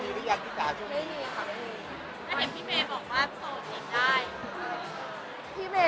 พี่เมย์ใส่ของให้เราเต็มที่มากเลย